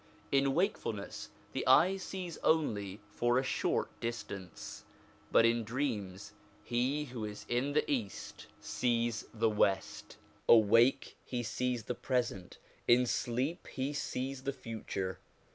In wakefulness the eye sees only for a short distance, but in dreams he who is in the East 263 264 SOME ANSWERED QUESTIONS sees the West : awake he sees the present, in sleep he sees the future.